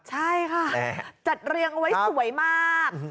ใช่ค่ะจัดเรียงเอาไว้สวยมาก